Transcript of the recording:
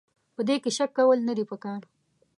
په دې کې شک کول نه دي پکار.